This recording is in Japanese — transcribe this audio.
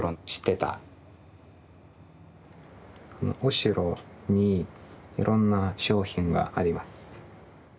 後ろにいろんな商品があります。